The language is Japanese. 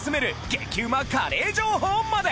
激ウマカレー情報まで！